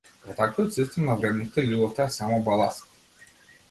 Во таквиот систем на вредности љубовта е само баласт.